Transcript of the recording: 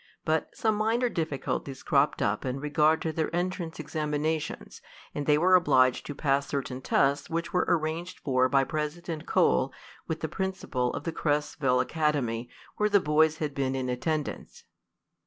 But some minor difficulties cropped up in regard to their entrance examinations, and they were obliged to pass certain tests which were arranged for by President Cole with the principal of the Cresville Academy, where the boys had been in attendance.